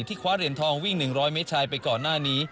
คว้าเหรียญทองวิ่ง๑๐๐เมตรชายไปก่อนหน้านี้